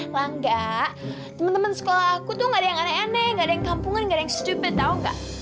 langga temen temen sekolah aku tuh gak ada yang aneh aneh gak ada yang kampungan gak ada yang stupid tau gak